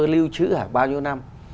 lưu trữ hàng bao nhiêu năm